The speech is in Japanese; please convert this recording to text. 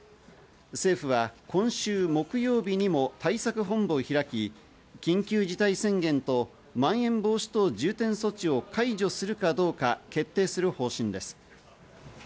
政府は今週木曜日にも対策本部を開き、緊急事態宣言とまん延防止等重点措置を解除するかどうか決定する方針です。